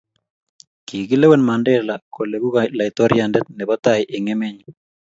Kikilewen Mandela koleku laitoriande nebo tai eng' emenyin